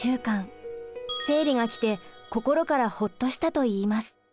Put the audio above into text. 生理がきて心からホッとしたといいます。